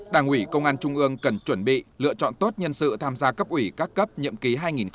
đảng ủy công an trung ương cần chuẩn bị lựa chọn tốt nhân sự tham gia cấp ủy các cấp nhậm ký hai nghìn hai mươi hai nghìn hai mươi năm